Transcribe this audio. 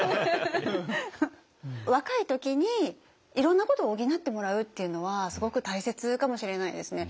若い時にいろんなことを補ってもらうっていうのはすごく大切かもしれないですね。